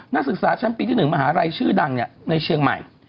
นักศึกษาชั้นปีที่๑มหาลัยชื่อดังในเชียงใหม่